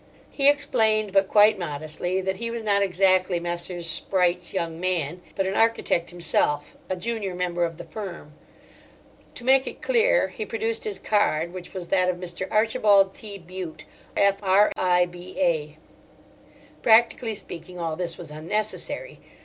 He explained—but quite modestly—that he was not exactly Messrs. Spreight's young man, but an architect himself, a junior member of the firm. To make it clear he produced his card, which was that of Mr. Archibald T. Bute, F.R.I.B.A. Practically speaking, all this was unnecessary.